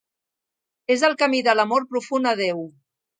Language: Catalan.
És el camí de l'amor profund a Déu.